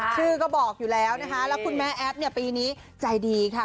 ชื่อก็บอกอยู่แล้วนะคะแล้วคุณแม่แอฟเนี่ยปีนี้ใจดีค่ะ